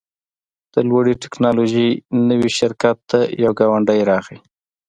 د لوړې ټیکنالوژۍ نوي شرکت ته یو ګاونډی راغی